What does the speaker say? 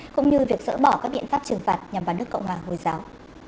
cũng như việc dỡ bỏ các biện pháp trừng phạt nhằm vào nước cộng hòa hồi giáo